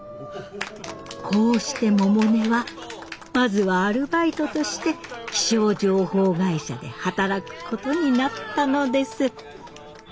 こうして百音はまずはアルバイトとして気象情報会社で働くことになったのです。